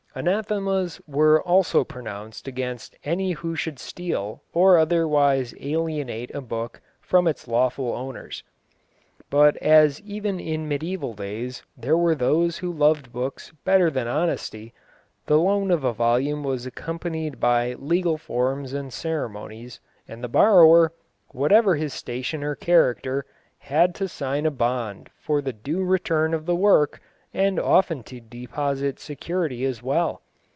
Anathemas were also pronounced against any who should steal or otherwise alienate a book from its lawful owners. But as even in mediæval days there were those who loved books better than honesty, the loan of a volume was accompanied by legal forms and ceremonies, and the borrower, whatever his station or character, had to sign a bond for the due return of the work, and often to deposit security as well.